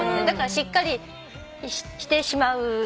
だからしっかりしてしまう。